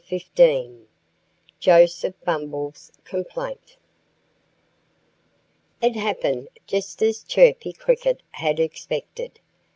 XV JOSEPH BUMBLE'S COMPLAINT IT happened just as Chirpy Cricket had expected.